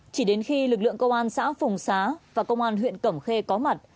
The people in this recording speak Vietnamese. chỉ đến khi lực lượng công an xã phùng xá và công an huyện cẩm khê có mặt